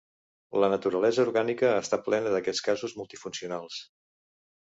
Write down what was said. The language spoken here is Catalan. La naturalesa orgànica està plena d'aquests casos multifuncionals.